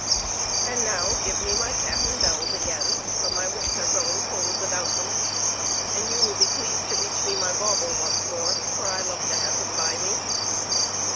And now give me my cap and bells again, for my wits are growing cold without them ; and you will be pleased to reach me my bauble once more, for I love to have him by me.